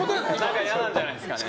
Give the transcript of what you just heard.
何か、嫌なんじゃないですかね。